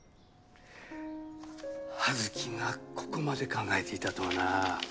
葉月がここまで考えていたとはな。